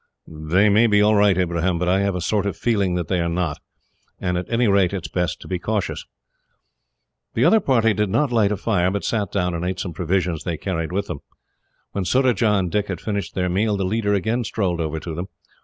"They may be all right, Ibrahim, but I have a sort of feeling that they are not, and at any rate, it is best to be cautious." The other party did not light a fire, but sat down and ate some provisions they carried with them. When Surajah and Dick had finished their meal, the leader again strolled over to them.